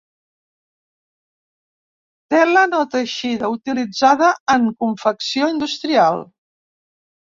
Tela no teixida utilitzada en confecció industrial.